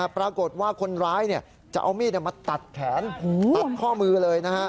ปรากฏว่าคนร้ายจะเอามีดมาตัดแขนตัดข้อมือเลยนะฮะ